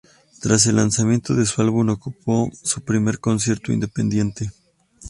Tras el lanzamiento de su álbum, ocupó su primer concierto independiente.